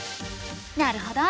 なるほど。